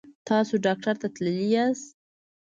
تاسو ډاکټر ته تللي یاست؟